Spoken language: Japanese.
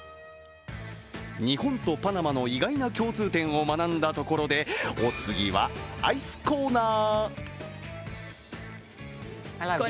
日本とパナマの意外な共通点を学んだところで、お次はアイスコーナー。